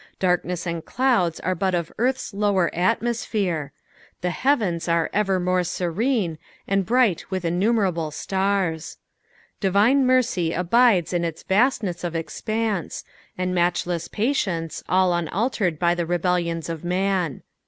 Darkness and clouds are but of earth's loner almosphere : the heavens are evermore serene, and bright with innumerable stars. Divine mercy abides in its vastaess of expanse, and matchless patience, all unaltered by tbe rebellions of man.